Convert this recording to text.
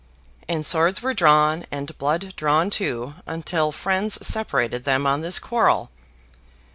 and swords were drawn, and blood drawn too, until friends separated them on this quarrel.